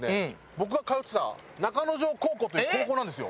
僕が通ってた中之条高校という高校なんですよ。